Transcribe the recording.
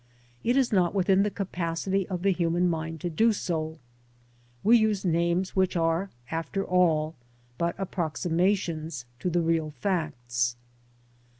It is not within the capacity of the human mind to do so. We use names which are, after all, but approximations to the real facts.